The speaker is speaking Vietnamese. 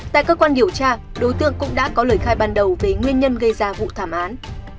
tại cơ quan điều tra đối tượng cũng đã có lời khai ban đầu về nguyên nhân gây ra vụ thảm án